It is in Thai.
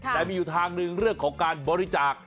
แต่มีอยู่ทางหนึ่งเรื่องของการบริจาค